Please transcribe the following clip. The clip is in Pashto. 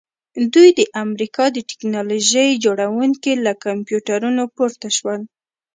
دوی د امریکا د ټیکنالوژۍ جوړونکي له کمپیوټرونو پورته شول